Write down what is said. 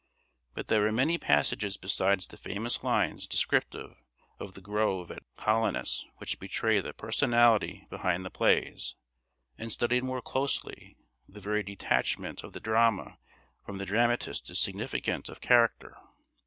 But there are many passages besides the famous lines descriptive of the grove at Colonus which betray the personality behind the plays; and, studied more closely, the very detachment of the drama from the dramatist is significant of character.